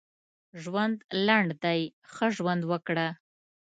ژوند لنډ دی ښه ژوند وکړه.